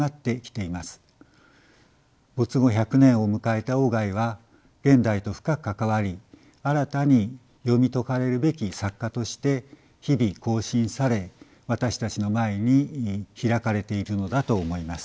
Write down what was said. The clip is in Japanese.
没後１００年を迎えた外は現代と深くかかわり新たに読み解かれるべき作家として日々更新され私たちの前に開かれているのだと思います。